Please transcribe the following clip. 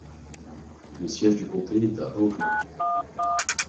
Le siège du comté est à Oakland.